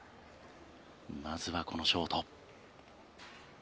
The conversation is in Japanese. まずはこのショート。